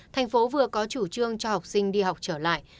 thành phố vừa có chủ trương cho học sinh đi học trở lại